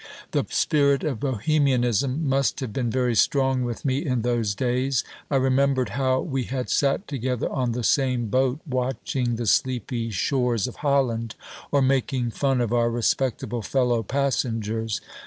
The spirit of Bohemianism must have been very strong with me in those days. I remembered how we had sat together on the same boat watching the sleepy shores of Holland, or making fun of our respectable fellow passengers.